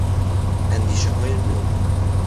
اندیشههای نو